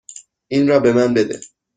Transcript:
این را به من بده.